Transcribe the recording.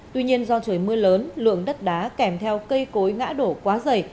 tuy nhiên do trời mưa lớn lượng đất đá kèm theo cây cối ngã đổ quá dày